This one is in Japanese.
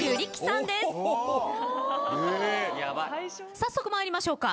早速参りましょうか。